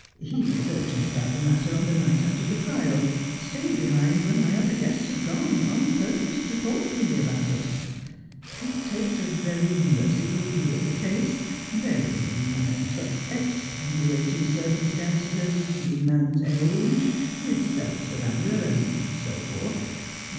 He was urgent about the matter on the night after the trial — stayed behind when my other guests had gone, on purpose to talk to me about it. He takes a very merciful view of the case, bearing in mind such extenuating circumstances as the man's age, his self surrender, and so forth.